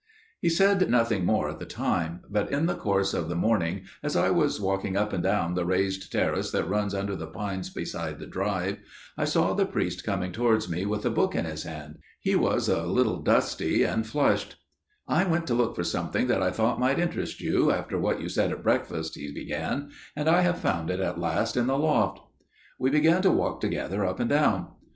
He said nothing more at the time; but in the course of the morning, as I was walking up and down the raised terrace that runs under the pines beside the drive, I saw the priest coming towards me with a book in his hand. He was a little dusty and flushed. "I went to look for something that I thought might interest you, after what you said at breakfast," he began, "and I have found it at last in the loft." We began to walk together up and down.